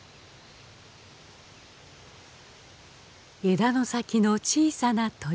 枝の先の小さな鳥。